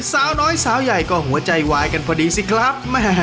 สาวน้อยสาวใหญ่ก็หัวใจวายกันพอดีสิครับ